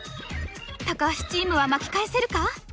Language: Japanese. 高橋チームは巻き返せるか？